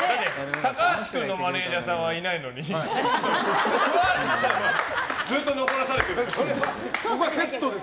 高橋君のマネジャーはいないのに桑原さんはずっと残らされてるし。